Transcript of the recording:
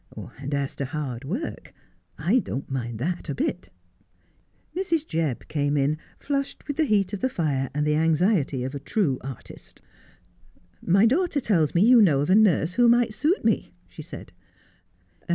;' and as to hard work, I don't mind that a bit.' Mrs. Jebb came in, flushed with the heat of the fire, and the anxiety of a true artist. ' My daughter tells me you know of a nurse who might suit me,' she said.